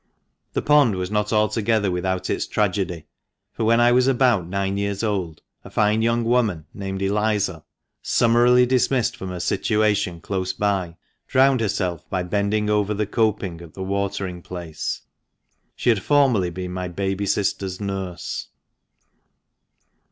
The pond was not altogether without its tragedy, for when I was about nine years old a fine young woman, named Eliza , summarily dismissed from her situation close by, drowned herself by bending over the coping at the watering place. She had formerly been my baby sister's nurse.